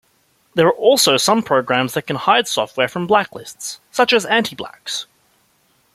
There are also some programs that can hide software from blacklists, such as Anti-blaxx.